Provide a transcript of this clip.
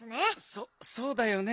そそうだよね。